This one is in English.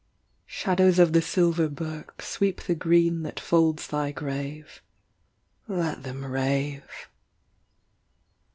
Shadows of the silver birk Sweep the green that folds thy grave. Let them rave.